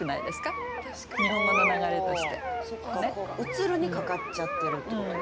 「映る」にかかっちゃってるってことですね。